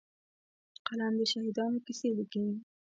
قلم د شهیدانو کیسې لیکي